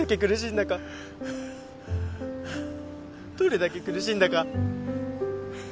どれだけ苦しんだか。